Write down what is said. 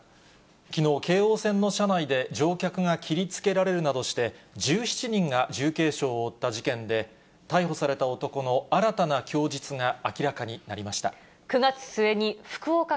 きのう、京王線の車内で乗客が切りつけられるなどして、１７人が重軽傷を負った事件で、逮捕された男の新たな供述が明らかになりました。